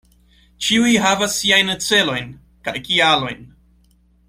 Ĉiuj havas siajn celojn, kaj kialojn.